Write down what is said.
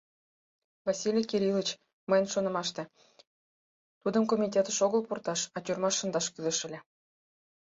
— Василий Кириллыч, мыйын шонымаште, тудым комитетыш огыл пурташ, а тюрьмаш шындаш кӱлеш ыле.